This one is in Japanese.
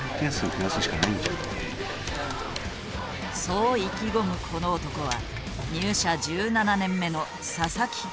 そう意気込むこの男は入社１７年目の佐々木健介。